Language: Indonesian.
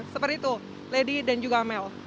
seperti itu lady dan juga amel